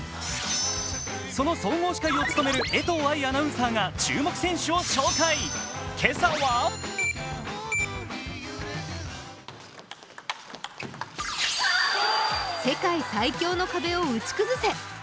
その総合司会を務める江藤愛アナウンサーが注目選手を紹介、今朝は世界最強の壁を打ち崩せ！